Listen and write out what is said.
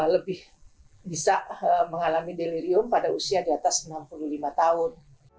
lebih bisa mengalami delirium pada usia di atas enam puluh lima tahun